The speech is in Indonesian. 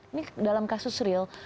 ini dalam kasus real